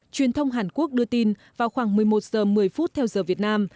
truyền thông hàn quốc đưa tin vào khoảng một mươi một giờ một mươi phút theo giờ việt nam